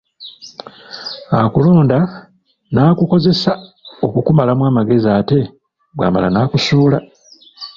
Akulonda n’akukozesa okukumalamu amagezi ate bw’amala n’akusuula.